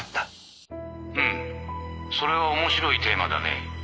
「うんそれは面白いテーマだね」